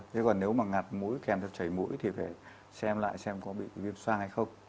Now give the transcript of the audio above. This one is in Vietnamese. thế còn nếu mà ngặt mũi kèm theo chảy mũi thì phải xem lại xem có bị viêm xoa hay không